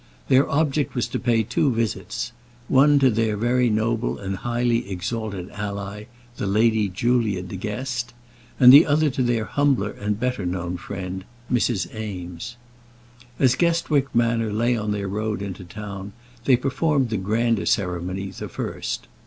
Their object was to pay two visits, one to their very noble and highly exalted ally, the Lady Julia De Guest; and the other to their much humbler and better known friend, Mrs. Eames. As Guestwick Manor lay on their road into the town, they performed the grander ceremony the first.